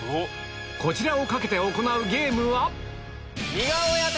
こちらを懸けて行うゲームは⁉よっ！